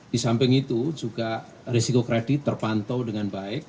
di samping itu juga risiko kredit terpantau dengan baik